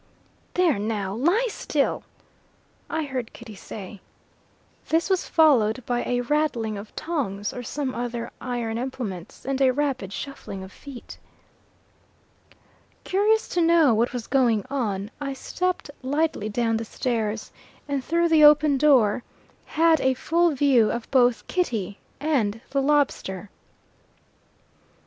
"There now. Lie still!" I heard Kitty say. This was followed by a rattling of tongs, or some other iron implements, and a rapid shuffling of feet. Curious to know what was going on, I stepped lightly down the stairs, and through the open door had a full view of both Kitty and the lobster.